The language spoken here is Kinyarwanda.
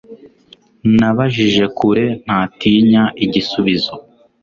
Nabajije kure ntatinya igisubizo